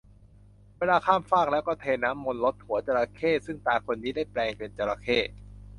เวลาข้ามฟากแล้วก็เทน้ำมนต์รดหัวจระเข้ ซึ่งตาคนนี้ได้แปลงเป็นจระเข้